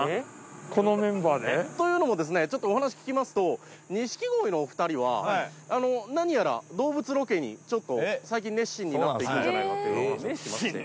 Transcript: このメンバーで？というのもですねちょっとお話聞きますと錦鯉のお二人は何やら動物ロケにちょっと最近熱心になっているんじゃないかというような話を聞きまして。